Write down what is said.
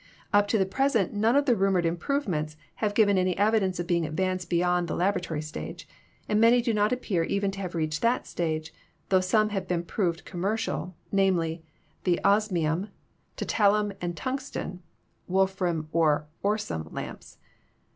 Up to the present none of the rumored improvements have given any evi dence of being advanced beyond the laboratory stage, and many do not appear even to have reached that stage, tho some have been proved commercial, namely, the osmium, tantalum, and tungsten (Wolfram or Osram) lamps.